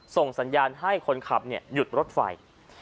ส่งสัญญาณให้คนขับหยุดรถไฟ